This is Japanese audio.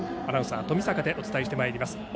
アナウンサー、冨坂でお伝えしてまいります。